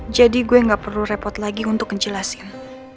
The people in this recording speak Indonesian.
jadi gue gak perlu repot lagi untuk ngejelasin